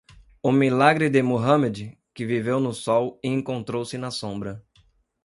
O milagre de Muhammad, que viveu no sol e encontrou-se na sombra.